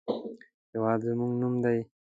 هېواد زموږ نوم دی